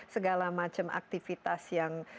segala macam aktivitas yang